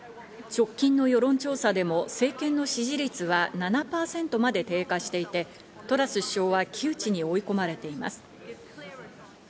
直近の世論調査でも政権の支持率は７％まで低下していて、トラス首相は窮地に追い込まれています。